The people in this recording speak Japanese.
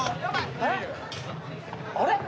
あれ？